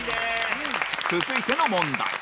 続いての問題